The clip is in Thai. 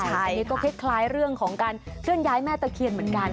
อันนี้ก็คล้ายเรื่องของการเคลื่อนย้ายแม่ตะเคียนเหมือนกัน